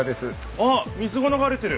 あっ水がながれてる！